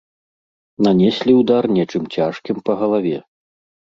Нанеслі ўдар нечым цяжкім па галаве.